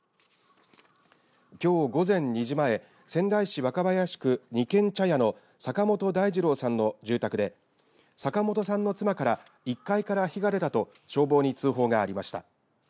きょう午前２時前仙台市若林区二軒茶屋の坂本大二郎さんの住宅で坂本さんの妻から１階から火が出たと消防に通報がありました。